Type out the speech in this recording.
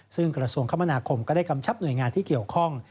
ซึ่งกระทรวงคมนาคมก็ได้กำชับหน่วยงานที่เกี่ยวข้อง